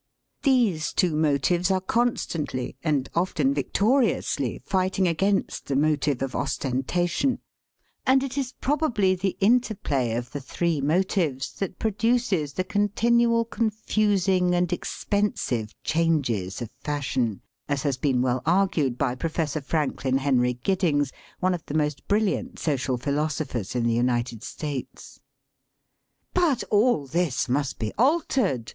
These two motives are constantly, and often victoriously, fighting against the motive of ostentation, and it is probably the interplay of the three motives that produces the continual confusing and expensive changes of fashion, as has been well argued by Professor Franklin Henry Giddings, one of the most brilliant social philosophers in the United States. "But all this must be altered!"